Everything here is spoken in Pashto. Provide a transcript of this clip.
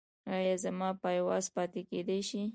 ایا زما پایواز پاتې کیدی شي؟